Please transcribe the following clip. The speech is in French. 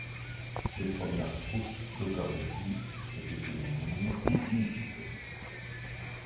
Les premières troupes de kabuki étaient féminines ou mixtes.